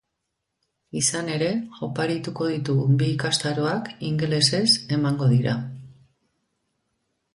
Izan ere, oparituko ditugun bi ikastaroak ingelesez emango dira.